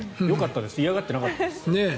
よかったです嫌がってなかったです。